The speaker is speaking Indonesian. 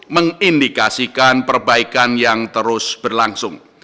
mengindikasikan perbaikan yang terus berlangsung